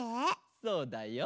そうだよ。